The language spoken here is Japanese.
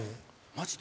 マジで？